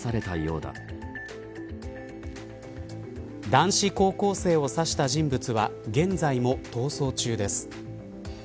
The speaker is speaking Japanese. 男子高校生を刺した人物は現在も逃走中です。